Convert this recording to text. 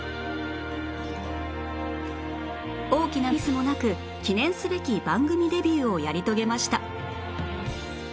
大きなミスもなく記念すべき番組デビューをやり遂げました